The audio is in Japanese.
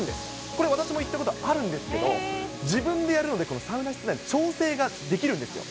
これ、私も行ったことあるんですけど、自分でやるので、サウナ室内の調整できるんですよ。